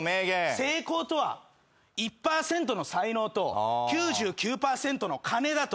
成功とは１％の才能と９９％の金だと。